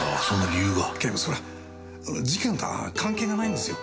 警部それは事件とは関係がないんですよ。